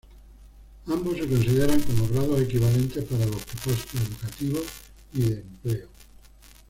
Ambos se consideran como grados equivalentes para los propósitos educativos y de empleo.